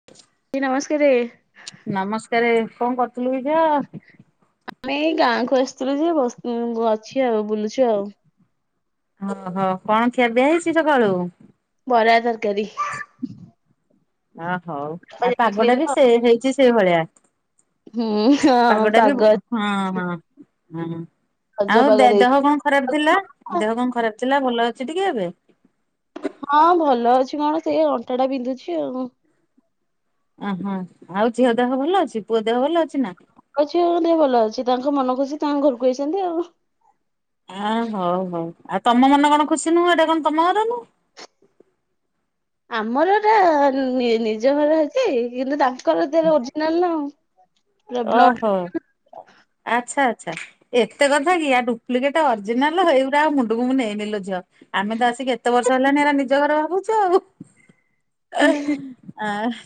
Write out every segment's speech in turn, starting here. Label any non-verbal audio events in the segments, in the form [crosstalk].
[unintelligible] ଦିଦି ନମସ୍କାରେ। ନମସ୍କାରେ କଣ କରୁଥିଲୁ କି ଝିଅ। ଆମେ ଏଇ ଗାଁକୁୁ ଆସିଥିଲୁ ଯେ ବସି ଅଛି ଆଉ ବୁଲୁଛୁ ଆଉ। ଓହୋ କଣଖିଆ, ପିଆ ହେଇଛି ସକାଳୁ। ବରା, ତରକାରୀ। ଅ ହଉ ଆଉ ଯାଇଥିଲେ ପାଗଟା ବି ତ ସେ ହେଇଛି ସେଇଭଳିଆ। ହୁଁ ହଁ ପାଗଟା ବି ପାଗ ହଁ ହଁ ହଁ ରଜ ଆଉ ପାଗ ଦେଇଛି। ଦେହ କଣ ଖରାପ ଥିଲା। ଦେହ କଣ ଖରାପ ଥିଲା ଭଲ ଅଛି ଟିକେ ଏବେ। ହଁ ଭଲ ଅଛି କଣ ସେ ଅଣ୍ଟା ଟା ବିନ୍ଧୁଛି ଆଉ। ଅ ହଁ ଆଉ ଝିଅ ଦେହ ଭଲ ଅଛି ପୁଅ ଦେହ ଭଲ ଅଛି ନା। ଅଛି ଦେହ ଭଲ ଅଛି ତାଙ୍କ ମନ ଖୁସି ତାଙ୍କ ଘରକୁ ଆଇଛନ୍ତି ଆଉ। ଆ ହଉ ହଉ ଆଉ ତମ ମନ କଣ ଖୁସି ନୁହଁ ଏଇଟା କଣ ତମ ଘର ନୁହଁ। ଆମର ଏଟା ନିଜ ଘର ଅଛି କିନ୍ତୁ ତା ତାଙ୍କର ଦେହ ଓରିଜିନାଲ ଆଉ। ପୁରା ବ୍ଲଡ ଓହୋ ଆଚ୍ଛା ଆଚ୍ଛା। ଏତେ କଥା କି ଆ ଡୁପ୍ଲେଟ, ଅରିଜିନାଲ ହେଇଗୁରା ଆଉ ମୁଣ୍ଡକୁ ମୁଁ ନେଇନି ଲୋ ଝିଅ। ଆମେ ତ ଆସିକି ଏତେ ବର୍ଷ ହେଲାନି ଏରା ନିଜ ଘରେ ଭାବୁଛୁ ଆଉ ଅ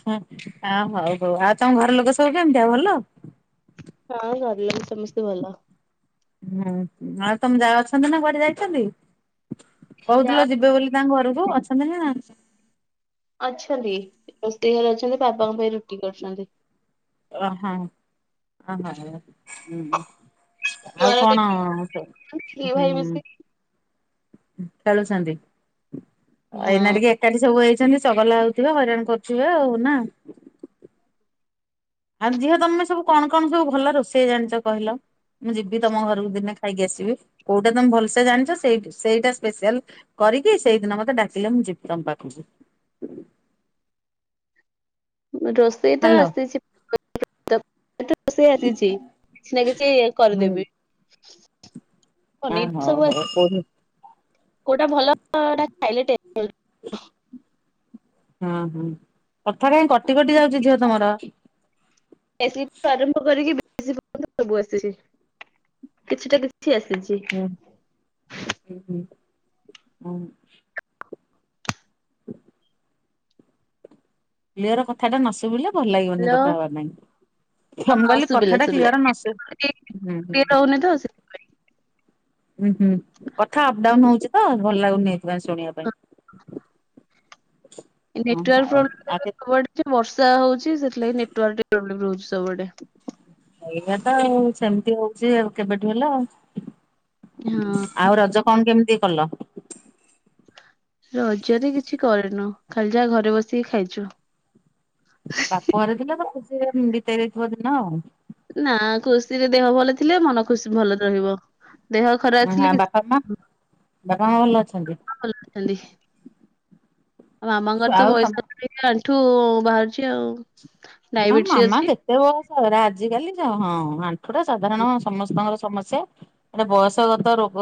ହଉ ହଉ ଆଉ ତମ ଘର ଲୋକ ସବୁ କେମିତି ଆଉ ଭଲ? ହଁ କରିଲ ସମସ୍ତେ ଭଲ ହୁଁ ଆଉ ତମେ ଯା ଅଛନ୍ତି ନା କୁଆଡେ ଯାଇଛନ୍ତି ଯା କହୁଥିଲ ଯିବେ ବୋଲି ତାଙ୍କ ଘରକୁୁ ଅଛନ୍ତି ନା ଜଛନ୍ତି ଅଛନ୍ତି ରୋଷେଇ ଘରେ ଅଛନ୍ତି ବାପାଙ୍କ ପାଇଁ ରୁଟି କରୁଛନ୍ତି ଓ ହ ହ ହ ହଁ ଆଉ ଘର କଣ ହୁଁ ଭାଇ ମିଶିକି କଳୁସନ୍ତି ଆ ଏଇନା ହଁ ଟିକେ [unintelligible] ସବୁ ହେଇଛନ୍ତି ଚଗଲା ହଉଥିବେ ହଇରାଣ କରୁଥିବେ ଆଉ ନା ଆଉ ଝିଅ ତମେ ସବୁ କଣ କଣ ସବୁ ଭଲ ରୋଷେଇ ଜାଣିଛ କହିଲ ମୁଁ ଯିବି ତମ ଘରକୁ ଦିନେ ଖାଇକି ଆସିବି କୋଉଟା ତମେ ଭଲସେ ଜାଣିଛଇ ସେଇ ସେଇଟା ସ୍ପେଶାଲ କରିକି ସେଇଦିନ ମତେ ଡାକିଲେ ମୁଁ ଯିବି ତମ ପାଖକୁ ରୋଷ ସେ ତ ହ୍ୟାଲୋ। ଆସିଛି ସେ ଆସିଛି କିଛି ନା କିଛି ହୁଁ କରିଦେବି। [unintelligible] ଆ ପନିର ହଉ ସବୁ ହଉ ଆସ କୋଉଠି କୋଉଟା ଭଲ। [unintelligible] ହୁଁ ହୁଁ କଥା କାହିଁ କଟି କଟି ଯାଉଚି ଝିଅ ତମର। [unintelligible] ସବୁ ଆସୁଚି କିଛି ଟା କିଛି କିଛି ଆସିଚି। ହୁଁ [unintelligible] [inaudible] କ୍ଲିୟର କଥାଟା ନ ଶୁଭିଲେ ଭଲ ଲାଗିବନି ହ୍ୟାଲୋ କଥା ହବା ପାଇଁ। ଫ ମୁଁ ହଁ କଇଲି ଶୁଭିଲା କଥାଟା ଶୁଭିଲା କ୍ଲିୟର ନସୁ ହୁଁ ହୁଁ ଟିକେ ରହୁନି ତ ହୁଁ। ଉ ହୁଁ କଥା ଅପ୍ଡାଉନ ହଉଛିି ତ ଭଲ ଲାଗୁନି ଏଇଥିପାଇଁ ଶୁଣିବା ପାଇଁ। [inaudible] ଏ ହଁ ନେଟୱର୍କ ହଉ ଆଉ କେତେ ପ୍ରୋବ୍ଲେମ [unintelligible] ବର୍ଷା ହଉଚି ସେଥିଲାଗି ନେଟୱର୍କ ଟିକେ ପ୍ରୋବ୍ଲେମ ରହୁଚି ସବୁଆଡେ। ଏଇଆ ତ ଆଉ ସେମିତି ହଉଛି ଆଉ କେବେଠୁ ହେଲା ଆଉ ହଁ ଆଉ ରଜ କଣ କେମିତି କଲ? ରଜରେ କିଛି କରିନୁ ଖାଲି ଯାହା ଘରେ ବସିକି ଖାଇଛୁ। ବାପ ଘରେ ଥିଲେ ତ ଖୁସିରେ ବିତେଇ ଦେଇଥିବ ଦିନ ଆଉ। ନା ଖୁସିରେ ଦେହ ଭଲ ଥିଲେ ମନ ଖୁସି ଭଲ ରହିବ। ଦେହ ଖରାପ ଥିଲେ ହଁ କିସ୍ ବାପା ମା [unintelligible] ବାପା ମା ଭଲ ଅଛନ୍ତି [unintelligible] ଆଉ ମାମାଙ୍କର ତ ଆଉ ତମ ବୟସ [unintelligible] ଆଣ୍ଠୁ ବାହାରୁଚି ଆଉ। ହଁ ଡାଇବେଟିସ ମାମା ଅଛି। କେତେ ବୟଷ ହେରା ଆଜିିକାଲି ଜ ହଁ [unintelligible] [unintelligible] ସାଧାରଣ ସମସ୍ତଙ୍କର ସମସ୍ୟା। ଏଟା ବୟସଗତ ରୋଗ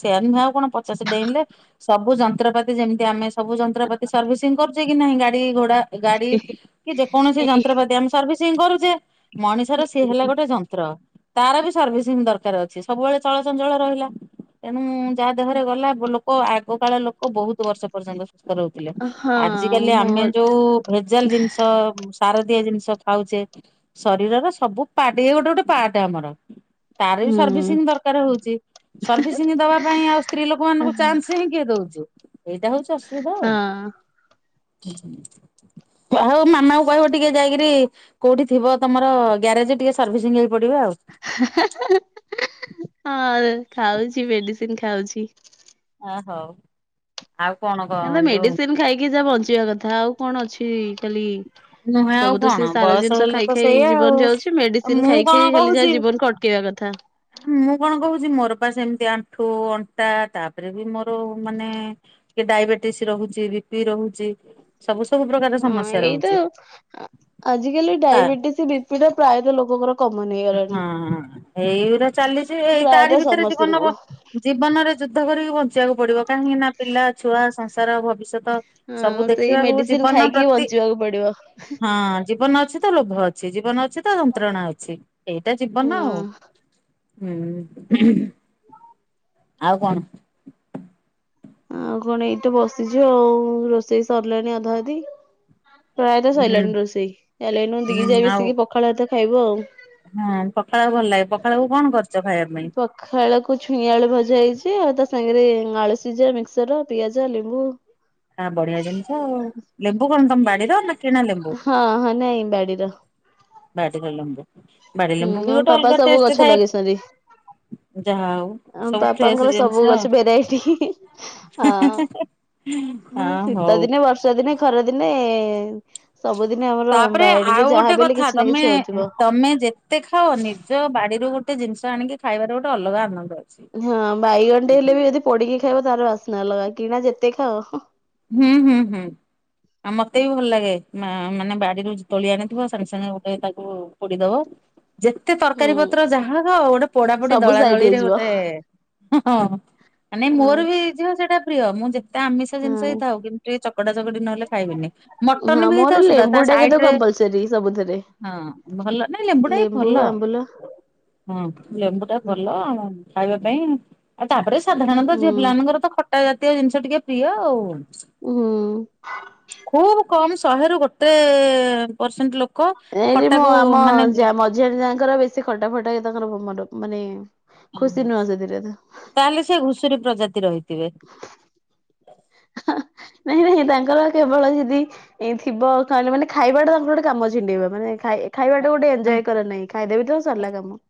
ସେଆ ନୁହଁ ଆଉ କଣ ପଚାଶେ ଡେଇଁଲେ ସବୁ ଯନ୍ତ୍ରପାତି ଯେମିତି ଆମେ ସବୁ ଯନ୍ତ୍ରପାତି ସର୍ଭିସିଂ କରୁଚେ କି ନାହିଁ ଗାଡିଘୋଡା ଏ ଗାଡି କି ଯେକୌଣସି ଯନ୍ ନ୍ତ୍ରପାତି ଆମେ ସର୍ଭିସିଂ କରୁଚେ ମଣିଷର ସିଏ ହେଲା ଗୋଟେ ଯନ୍ତ୍ର। ତାର ବି ସର୍ଭିସିଂ ଦରକାର ଅଛି ସବୁବେଳେ ଚଳଚଞ୍ଚଳ ରହିଲା ତେଣୁ ଯାହା ଦେହରେ ଗଲା ବୋ ଲୋ କ ଆଗ କାଳ ଲୋକ ବହୁତ୍ ବର୍ଷ ପର୍ଯ୍ୟନ୍ତ ସୁସ୍ଥ ରହୁ ଥିଲେ ହଁ ଆଜି କାଲି ଆମେ ମୋର ଯୋଉ ଭେଜାଲ ଜିନିଷ ସାରଦିଆ ଜିନିଷ ଖାଉଚେ ଶରୀରର ସବୁ ପାର୍ଟ ଇଏ ଗୋଟେ ଗୋଟେ ପାର୍ଟ ଆମର। ତାର ବି ହୁଁ ସର୍ଭିସିଂ ଦରକାର ହଉଚି। ସର୍ଭିସିଂ ଦବା ପାଇଁ ଆଉ ସ୍ତ୍ରୀ ହଁ। ଲୋକମାନଙ୍କୁ ଚାନ୍ସ ହିଁ କିଏ ଦଉଚି? ଏଇଟା ହଉଚି ଅସୁବିଧା ଆଉ ଆଉ ମାମା କହିବ ଟିକେ ଯାଇକିରି କୋଉଠି ଥିବ ତମର ଗ୍ୟାରେଜ୍ ଟିକେ ସର୍ଭିସିଂ ହେଇ ପଡିବା ଆଉ। ହା ହା [unintelligible] ହଁ ଖାଉଚି ମେଡ଼ିସିନ୍ ଖାଉଛି। ଆ ହଉ। ଆଉ କଣ ଏବେ କଣ ଯୋଉ ମେଡ଼ିସିନ୍ ଖାଇକି ଯା ବଞ୍ଚିବା କଥା ଆଉ କଣ ଅଛି ଖାଲି ନୁହେଁ ଆଉ ସବୁ ତ କଣ ସେଇ ସାର ବୟସ ଜିନିଷ ହେଲେ ତ ଖାଇ ଖାଇ ସେଇଆ ଆଉ। ଜୀବନ ଯାଉଚି ମେଡ଼ିସିନ୍ ମୁଁ ଖାଇ କଣ ଖାଇ ହେଲେ କହୁଛି ଯାହା ଜୀବନ କଟ [unintelligible] କଥା। ମୁଁ କଣ କହୁଚି ମୋର ବା ସେମିତି ଆଣ୍ଠୁ, ଅଣ୍ଟା ତାପରେ ବି ମୋର ମାନେ ଟିକେ ଡାଇବେଟିସ୍ ରହୁଚି ବିପି ରହୁଚି। ହୁଁ ଇଏତ ଆଜିକାଲି ତା ଡାଇବେଟିସ୍ ବିପି ପ୍ରାୟତଃ ଲୋକଙ୍କର କମନ ହେଇଗଲାଣି। ହଁ ଏଇଗୁରା ଚାଲିଚି ଏଇ ତାରି ପ୍ରାୟତଃ ଭିତରେ ଜୀବନ ସମସ୍ତଙ୍କୁ ବ ଜୀବନରେ ଯୁଦ୍ଧ କରିକି ବଞ୍ଚିବାକୁ ପଡିବ କାହିଁକି ନା ପିଲା, ଛୁଆ, ସଂସାର, ଭବିଷ୍ୟତ ସବୁ ହଁ ସେଇ ଦେଖିବାକୁ ମେଡିସିନ ଜୀବନ ଖାଇକି ପ୍ରତି ବଞ୍ଚିବାକୁ ପଡିବ। ହଁ ଜୀବନ ଅଛି। ତ ଲୋଭ ଅଛି ଜୀବନ ଅଛି ତ ଯନ୍ତ୍ରଣା ଅଛି ଏଇଟା ଜୀବନ ଆଉ। ହଁ ହୁଁ ଆଉ କଣ? ଆଉ କଣ ଏଠୁ ବସିଚୁ ଆଉ ରୋଷେଇ ସରିଲାଣି ଅଧା ଅଧି। ପ୍ରାୟତଃ ହୁଁ ସଇଲାଣି ରୋଷେଇ ଚାଲ ଏଇନା ଦି ଯା ହୁଁ ଆଉ ମିଶିକି ପଖାଳ ଭାତ ଖାଇବୁ ଆଉ। ହଁ ପଖାଳ ଭଲ ଲାଗେ ପଖାଳ କୁ କଣ କରିଛ ଖାଇବା ପାଇଁ? ପଖାଳ କୁ ଛୁଇଁ ଆଳୁ ଭଜା ହେଇଛି ଆଉ ତା ସାଙ୍ଗରେ ଆଳୁ ସିଝା ମିକ୍ସର ପିଆଜ ଲେମ୍ବୁ। ଆ ବଢିଆ ଜିନିଷ ଆଉ ଲେମ୍ବୁ କଣ ତମ ବାଡିର ନା କିଣା ଲେମ୍ବୁ? ହଁ ହଁ ନାଇଁ ବାଡିର। ବାଡ଼ିର ଲେମ୍ବୁ ବାଡି ହୁଁ ଲେମ୍ବୁ ବି ଆମ ଗୋଟେ ପାପା ଅଲଗା ସବୁ ଟେଷ୍ଟ ଗଛ ଥାଏ ଲଗେଇଛନ୍ତି ଯାହା ହଉ। ଆମ ସବୁ ଫ୍ରେଶ ପାପାଙ୍କର ଜିନିଷ ସବୁ ଆଉ। ଗଛ ଭେରାଇଟି ହ ଆ ହୁଁ ଶୀତ ହଉ। ଦିନେ ବର୍ଷା ଦିନେ ଖରା ଦିନେ ସବୁଦିନେ ଆମର ତାପରେ ବାଡିରେ ଆଉ ଗୋଟେ ଯାହାବି ହେଲେ କଥା କିଛି ନା ତମେ କିଛି ହଉଥିବ। ତମେ ଯେ କେତେ ଖାଅ ନିଜ ବାଡିରୁ ଗୋଟେ ଜିନିଷ ଆଣିକି ଖାଇବାର ଗୋଟେ ଅଲଗା ଆନନ୍ଦ ଅଛି। ହଁ ବାଇଗଣ ଟେ ହେଲେ ବି ଯଦି ପୋଡିକି ଖାଇବ ତାର ବାସ୍ନା ଅଲଗା କିଣା ଯେତେ ଖାଅ। ହୁଁ ହୁଁ ହୁଁ। ଆଉ ମତେ ବି ଭଲ ଲାଗେ ମାନେ ବାଡିରୁ ତୋଳି ଆଣୁ ଥିବ ସାଙ୍ଗେ ସାଙ୍ଗେ ଗୋଟେ ତାକୁ ପୋଡିଦବ। ଯେତେ ତରକାରୀ ପତ୍ର ଯାହା ଥାଉ ଗୋଟେ ପୋଡାପୋଡି ସବୁ ଦଳା ସାଇଟ୍ ଦଳି ରେ ହେଇଯିବ ଗୋଟେ ହଁ ମାନେ ମୋର ବି ଆଚ୍ଛା ଝିଅ ସେଇଟା ପ୍ରିୟ ମୁଁ ଯେତେ ଆମିଷ ଜିନିଷ ହଁ ଥାଉ କିନ୍ତୁ ଟିକେ ଚକଟା ଚକଟି ଚକଡି ନହେଲେ ଖାଇବିନି ମଟନ ହଁ ବି ହେଇଥାଉ ମୋର ସୁଧା ତା ଲେମ୍ବୁ ଟା କିନ୍ତୁ ସାଇଡରେ କମ୍ପଲସରୀ ସବୁଥିରେ ହଁ ଭଲ ନାଇଁ ଲେମ୍ବୁ ଟା ବି ଭଲ ହଁ ଲେମ୍ବୁ ଟା ଭଲ। ଖାଇବା ପାଇଁ ଆଉ ତାପରେ ସାଧାରଣତଃ ହୁଁ ଝିଅ ପିଲାମାନଙ୍କର ତ ଖଟା ଜାତୀୟ ଜିନିଷ ଟିକେ ପ୍ରିୟ ଆଉ। ହୁଁ। ଖୁବ କମ ଶହେରୁୁ ଗୋଟେ ପରସେଣ୍ଟ ଲୋକ ଖଟାକୁ ମାନେ ଜେଜଙ୍କର ବେଶୀ ଖଟା ଫଟା ତାଙ୍କର ମୋମତ ମାନେ ଖୁସି ନୁହଁ ସେଥିରେ ତ ତାହେଲେ ସେ ଘୁଷୁରୀ ପ୍ରଜାତି ହେଇଥିବେ। ନାଇଁ ନାଇଁ ତାଙ୍କର କେବଳ ଯଦି ଏଇ ଥିବ କହିଲେ ମାନେ ଖାଇବାଟା ତାଙ୍କର ଗୋଟେ କାମ ଛିଣ୍ଡେଇବ ମାନେ ଖାଇ ଖାଇବାଟା ଗୋଟେ ଏଞଜୟ କରନ୍ତି ଖାଇଦେବ ତ ସରିଲା କାମ।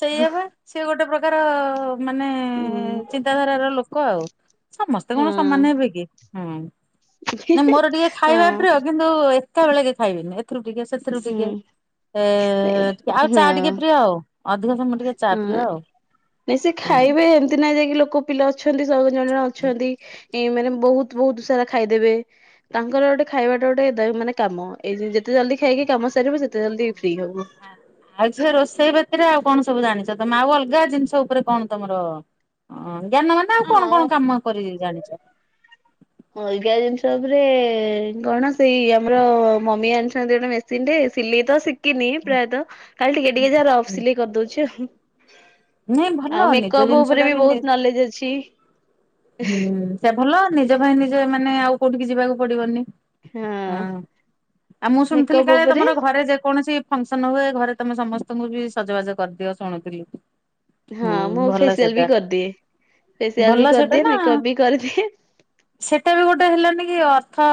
ସେଇଆ ବା ସିଏ ଗୋଟେ ପ୍ରକାର ମାନେ ଉଁ ଚିନ୍ତାଧାରାର ଲୋକ ଆଉ। ସମସ୍ତେ କଣ ସମାନେ ହେବେ କି ହୁଁ ହଁ ନା ମୋର ଟିକେ ଖାଇବା ହଁ ପ୍ରିୟ। କିନ୍ତୁ ଏକା ବେଳେକେ ଖାଇବିନି ଏଥିରୁ ଟିକେ ସେଥିରୁ ହୁଁ ଟିକେ ସେ ଏଁ ଟିକେ ଆଉ ଚା ଟିକେ ପ୍ରିୟ ଆଉ ଅଧିକ ସମୟ ଟିକେ ଚା ଉଁ ପ୍ରିୟ ଆଉ। ନାଇଁ ସେ ହୁଁ। ଖାଇବେ ଏମତି ନାଇଁ ଯାଇକି ଲୋକ ପିଲା ଅଛନ୍ତି ସବୁ ଜଣେ ଜଣେ ଅଛନ୍ତି ଏ ମାନେ ବହୁତ ବହୁତ ସାରା ଖାଇଦେବେ। ତାଙ୍କର ଗୋଟେ ଖାଇବାଟା ଗୋଟେ ମାନେ କାମ ଏଇ ଯେତେ ଜଲଦି ଖାଇକି କାମ ସାରିବେ ସେତେ ଜଲଦି ଫ୍ରି ହବୁ। ଆଉ ଝିଅ ରୋଷେଇ ବାତିରେ ଆଉ କଣ ସବୁ ଜାଣିଚ ତମେ ଆଉ ଅଲଗା ଜିନିଷ ଉପରେ କଣ ତମର ଅଁ ଜ୍ଞାନ ମାନେ ଆଉ କଣ କଣ କାମ କରି ଜାଣିଚ? ଅଲଗା ଜିନିଷ ଉପରେ କଣ ସେଇ ଆମର ମମି ଆଣିଛନ୍ତି ଗୋଟେ ମେ ମେସିନ ଟେ ସିଲେଇ ତ ଶିଖିନି ପ୍ରାୟତଃ ଖାଲି ଟିକେ ଟିକେ ଯାହା ରଫ୍ ସିଲେଇ କରିଦଉଛି ଆଉ। ନାଇଁ ଭଲ ଆଉ ନିଜ ମେକଅପ୍ ଜିନିଷ ଉପରେ ଟା ବି ନି ବହୁତ ନଲେଜ ଅଛି। ହୁଁ ସେ ଭଲ ନିଜ ପାଇଁ ନିଜେ ମାନେ ଆଉ କୋଉଠିକି ଯିବାକୁ ପଡିବନି। ହଁ ଆଉ ମୁଁ ଶୁଣିଥିଲି ମେକଅପ୍ କାଳେ ଉପରେ ତମର ଘରେ ଯେକୌଣସି ଫଙ୍କସନ୍ ହୁଏ ଘରେ ତମେ ସମସ୍ତଙ୍କୁ ବି ସଜବାଜ କରିଦିଅ ଶୁଣୁଥିଲି। ହଁ ହୁଁ ମୁଁ ଭଲ ଫେସିଆଲ ବି ସେଟା କରିଦିଏ, ଫେସିଆଲ ଭଲ ବି ସେଟା କରିଦିଏ ନା ମେକଅପ୍ ବି କରିଦିଏ। ସେଟା ବି ଗୋଟେ ହେଲାନ କି ଅର୍ଥ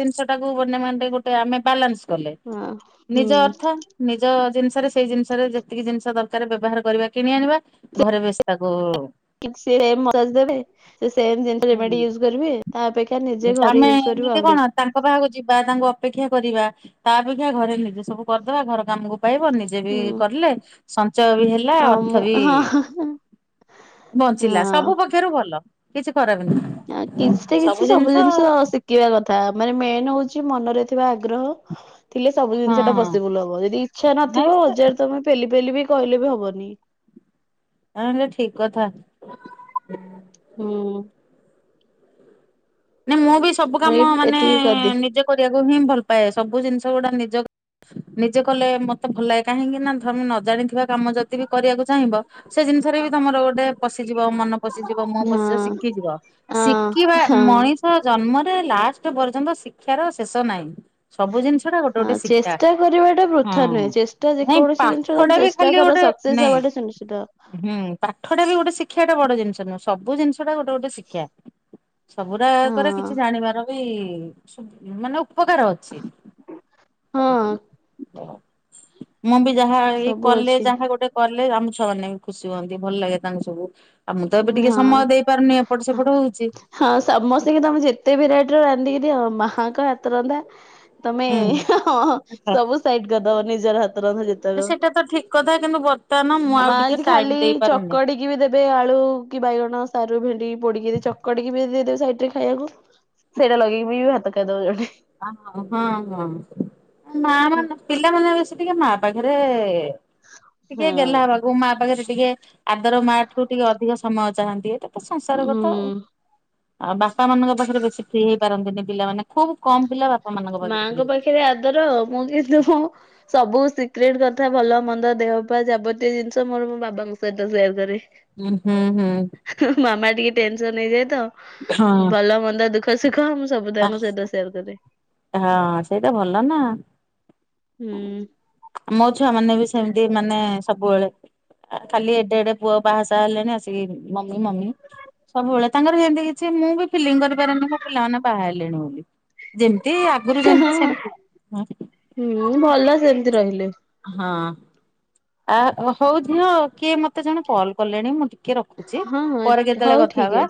ଜିନିଷ ଟାକୁ ବ ମ ଗୋଟେ ଆମେ ବାଲାନ୍ସ କଲେ ହଁ ନିଜ ହୁଁ ଅର୍ଥ ନିଜ ଜିନିଷରେ ସେଇ ଜିନିଷରେ ଯେତିକି ଜିନିଷ ଦରକାର ବ୍ୟବହାର କରିବା କିଣି ଆଣିବା। ଘରେ ବେଶ ତାକୁ [unintelligible] [unintelligible] କରିବେ ତା ଅପେକ୍ଷା ନିଜେ ଆମେ ଘରେ ୟୁଜ କରିବୁ ଏମିତି ଆଉ କଣ ତାଙ୍କ ପାଖକୁ ଯିବା ତାଙ୍କୁ ଅପେକ୍ଷା କରିବା ତା ଅପେକ୍ଷା ଘରେ ନିଜେ ସବୁ କରିଦବା ଘର କାମକୁ ପାଇବ ନି ନିଜେ ବି ହୁଁ କରିଲେ ସଞ୍ଚୟ ବି ହେଲା ଆଉ ମୁଁ ଅର୍ଥ ବି ହଁ ହଁ ବଞ୍ଚିଲା ସବୁ ପକ୍ଷରୁ ଭଲ। କିଛି ଖରାପ ନାହିଁ। ଆ କିଛିଟା କିଛି ସବୁ ଜିନିଷ ଶିକ୍ ଶିଖିବା କଥା ମାନେ ମେନ୍ ହଉଛି ମନରେ ଥିବା ଆଗ୍ରହ। ଥିଲେ ସବୁ ଜିନିଷ ଟା ହଁ ପସିବୁଲ ହବ ଯଦି ଇଚ୍ଛା ନାଇଁ ନଥିବ ସେଟା ହଜାର ତମେ ପେଲି ପେଲି ବି କହିଲେ ବି ହବନି। ଆଁ ସେଇଟା ଠିକ୍ କଥା। ହୁଁ। ନା ମୁଁ ବି ସବୁ ମୁଁ ଏଇ କାମ ମାନେ ଏତିକି କରିଦିଏ ନିଜେ କରିବାକୁ ହିଁ ଭଲ ପାଏ ସବୁ ଜିନିଷ ଗୁଡା ନିଜ ନିଜେ କଲେ ମତେ ଭଲ ଲାଗେ କାହିଁକି ନା ଧମ ନ ଜାଣିଥିବା କାମ ଯଦି ବି କରିବାକୁ ଚାହିଁବ ସେ ଜିନିଷରେ ବି ତମର ଗୋଟେ ପଶିଯିବ ମନ। ପଶିଯିବ ମୁଁହ ପଶିଯିବ ହଁ ଶିକିଯିବ ଶିକିବା ହଁ ହଁ ମ ଜନ୍ମରେ ଲାଷ୍ଟ ପର୍ଯ୍ୟନ୍ତ ଶିକ୍ଷାର ଶେଷ ନାହିଁ। ସବୁ ଜିନିଷ ଟା ଗୋଟେ ହଁ ଗୋଟେ ଶିକ୍ଷା। ଚେଷ୍ଟା କରିବା ଟା ହଁ। ବୃଥା ନୁହେଁ ଚେଷ୍ଟା ନାଇଁ ଯେକୌଣସି ଜିନିଷ ପାଠ ତମେ ଟା ବି ଚେଷ୍ଟା ଖାଲି କର ଗୋଟେ ସ ସକ୍ସେସ୍ ନାଇଁ ହବା ଟା ସୁନିଶ୍ଚିତ। ହୁଁ ପାଠଟା ବି ଗୋଟେ ଶିକ୍ଷ୍ୟା ଟା ବଡ ଜିନିଷ ନୁହଁ ସବୁ ଜିନିଷ ଟା ଗୋଟେ ଗୋଟେ ଶିକ୍ଷ୍ୟା। ହଁ ସବୁୁରାକରେ କିଛି ଜାଣିବାର ବି ମାନେ ଉପକାର ଅଛି। ହଁ ମୁଁ ବି ଯାହା ଏଇ ସବୁ କଲେ ଅଛି ଯାହା ଗୋଟେ କଲେ ଆମ ଛୁଆ ମାନେ ବି ଖୁସି ହୁଅନ୍ତି ଭଲ ଲାଗେ ତାଙ୍କୁ ସବୁ ଆଉ ମୁଁ ତ ଏବେ ଟିକେ ସମୟ ହଁ। ଦେଇପାରୁନି ଏପଟ ସେପଟ ହଉଚି। ହଁ ସମସ୍ତ କି ତମେ ଯେତେ ବି ରେଟର ର ରାନ୍ଧିକି ଦିଅ ମାଙ୍କ ହାତ ରନ୍ଧା ତମେ ହୁଁ। ହଁ ସବୁ ସାଇଟ କରିଦବ ନିଜର ହାତ ରନ୍ଧା ଯେ ଆରେ ସେଇଟା ତ ଠିକ କଥା। କିନ୍ତୁ ବର୍ତ୍ତମାନ ମୁଁ ଆ ମା ଆଉ ଟିକେ ଯଦି ଟାଇମ ଖାଲି ଦେଇ ପାରୁନି। ଚକଡିକି ବି ଦେବେ ଆଳୁ କି ବାଇଗଣ ସାରୁ, ଭେଣ୍ଡି ପୋଡିକି ଚକଟିକି ବି ଦେଇଦବେ ସାଇଟରେ ଖାଇଆକୁ। ସେଇଟା ଲଗେଇକି ବି ଭାତ ଖାଇଦବ ଜଣେ। ହଁ ହଁ। ନା ନାନା ପିଲାମାନେ ବେଶୀ ଟିକେ ମା ପାଖରେ ଟିକେ ଗେଲ ହଁ। ହବାକୁ ମା ପାଖରେ ଟିକେ ଆଦର ମା ଠୁ ଟିକେ ଅଧିକ ସମୟ ଚାହାନ୍ତି। ଏଇଟା ତ ସଂସାର କଥା ଆଉ। ହୁଁ ଆଉ ବାପା ମାନଙ୍କ ପାଖରେ ବେଶୀ ଫ୍ରୀ ହେଇ ପାରନ୍ତିନି ପିଲାମାନେ। ଖୁବ୍ କମ ପିଲା ବାପା ମାନଙ୍କ ପାଖରେ ଫ୍ରି ମାଙ୍କ ହୁଅନ୍ତି। ପାଖରେ ଆଦର, ମୁଁ କିନ୍ତୁ ସବୁ ସିକ୍ରେଟ କଥା ଭଲ ମନ୍ଦ ଦେହ ପା ଯାବତୀୟ ଜିନିଷ ମୋର ମୋ ବାବାଙ୍କ ସହିତ ସେୟାର କରେ। ଉଁ ହୁଁ ହୁଁ। ମାମା ଟିକେ ଟେନସନ ହେଇଯାଏ ତ, ହଁ। ଭଲ ମନ୍ଦ ଦୁଃଖ ଦୁଃଖ, ସୁଖ ମୁଁ ସବୁ ଆ ତାଙ୍କ ସହିତ ସେୟାର କରେ। ହଁ ସେଇଟା ଭଲ ନା। ହୁଁ। ମୋ ଛୁଆ ମାନେ ବି ସେମତି ମାନେ ସବୁବେଳେ ଆ କାଲି ଏଡେ ଏଡେ ପୁଅ ବାହା ସାହା ହେଲେଣି ଆସିକି ମମି ମମି। ସବୁବେଳେ ତାଙ୍କର ହେନ୍ତି କିଛି ମୁଁ ବି ଫିଲିଂ କରିପାରେନି ମୋ ପିଲାମାନେ ବାହାରିଲେଣି ବୋଲି। ଯେମ [inaudible] କୁହ? ହୁଁ ଭଲ ସେମତି ରହିଲେ। ହଁ। ଆ ହଉ ଝିଅ, କିଏ ମତେ ଜଣେ କଲ୍ କଲେଣି। ମୁଁ ଟିକେ ଟିକେ ରଖୁଛି। ହଁ ହଁ ପରେ ହଉ କେତେବେଳେ କଥା ଠିକ ହବା।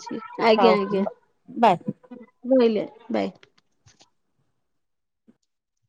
ହଉ, ବାଏ। ବୋଇଲେ, ବାଏ।